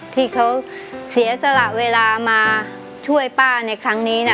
ที่เขาเสียสละเวลามาช่วยป้าในครั้งนี้นะ